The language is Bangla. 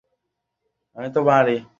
ব্লবি, পুরোপুরি পাগল হয়ে যাচ্ছে।